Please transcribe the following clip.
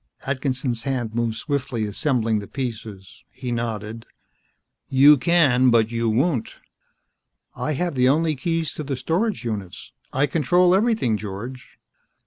Atkinson's hands moved swiftly, assembling the pieces. He nodded. "You can, but you won't." "I have the only keys to the storage units. I control everything, George."